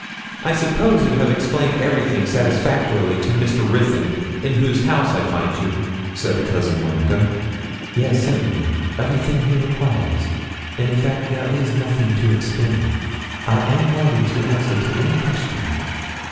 'I suppose you have explained everything satisfactorily to Mr. Ruthyn, in whose house I find you?' said Cousin Monica. 'Yes, certainly, everything he requires in effect there is nothing to explain. I am ready to answer to any question.